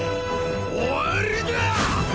終わりだ！